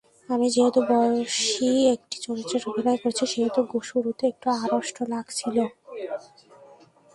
আমি যেহেতু বয়সী একটি চরিত্রে অভিনয় করেছি, সেহেতু শুরুতে একটু আড়ষ্ট লাগছিল।